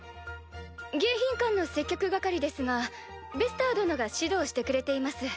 迎賓館の接客係ですがベスター殿が指導してくれています。